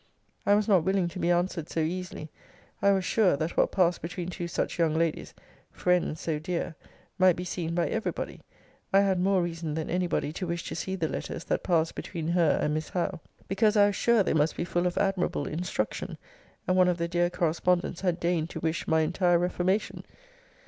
I was not willing to be answered so easily: I was sure, that what passed between two such young ladies (friends so dear) might be seen by every body: I had more reason than any body to wish to see the letters that passed between her and Miss Howe; because I was sure they must be full of admirable instruction, and one of the dear correspondents had deigned to wish my entire reformation.